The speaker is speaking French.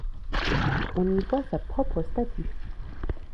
On y voit sa propre statue.